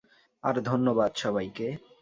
আর ধন্যবাদ, সবাইকে।